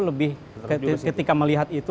lebih ketika melihat itu